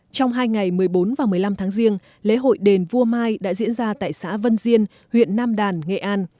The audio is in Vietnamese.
trong hai ngày một mươi bốn và một mươi năm tháng riêng lễ hội đền vua mai đã diễn ra tại xã vân diên huyện nam đàn nghệ an